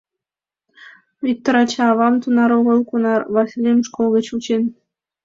Виктор ача-авам тунар огыл, кунар Васлим школ гыч вучен.